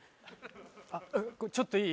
あっちょっといい？